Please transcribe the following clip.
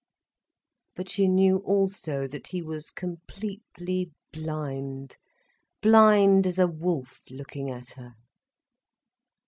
But she knew also that he was completely blind, blind as a wolf looking at her.